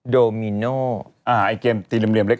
โดมิโน่อ่าไอเกมตีเหลี่ยมเล็ก